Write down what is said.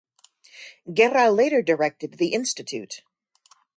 Guerra later directed the Institute.